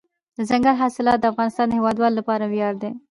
دځنګل حاصلات د افغانستان د هیوادوالو لپاره ویاړ دی.